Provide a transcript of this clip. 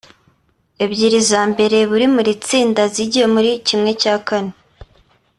ebyiri za mbere muri buri tsinda zijye muri ¼